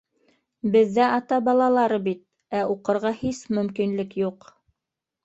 Беҙ ҙә ата балалары бит, ә уҡырға һис мөмкинлек юҡ.